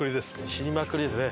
死にまくりですね。